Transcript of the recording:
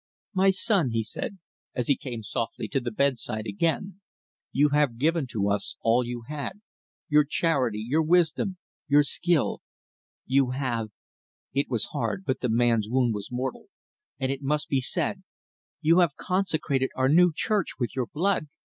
"My son," he said, as he came softly to the bedside again, "you have given to us all you had your charity, your wisdom, your skill. You have " it was hard, but the man's wound was mortal, and it must be said "you have consecrated our new church with your blood.